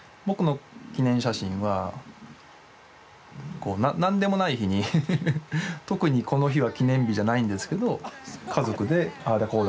僕の記念写真は何でもない日に特にこの日は記念日じゃないんですけど家族でああだ